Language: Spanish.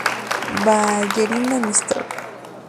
Ballerina", "Mr.